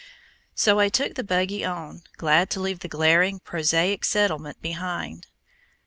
So I took the buggy on, glad to leave the glaring, prosaic settlement behind.